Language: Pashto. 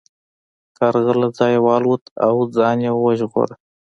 کارغه له ځایه والوت او ځان یې وژغوره.